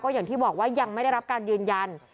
อย่างที่บอกว่ายังไม่ได้รับการยืนยัน